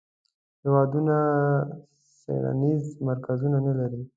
هیوادونه څیړنیز مرکزونه نه لري.